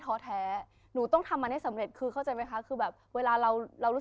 ท้อแท้หนูต้องทำมันให้สำเร็จคือเข้าใจไหมคะคือแบบเวลาเราเรารู้